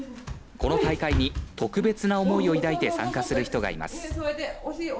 この大会に特別な思いを抱いて参加する人がいます。